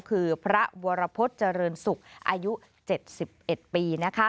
คือพระวรพศเจริญสุขอายุ๗๑ปี